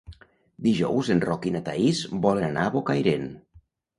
Dijous en Roc i na Thaís volen anar a Bocairent.